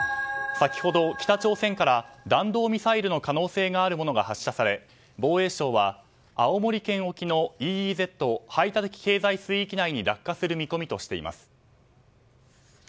先ほど北朝鮮から弾道ミサイルの可能性のあるものが発射され、防衛省は青森県沖のＥＥＺ・排他的経済水域内に落下する見込みとしています。